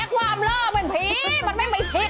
ความล่าเป็นผีมันไม่ผิด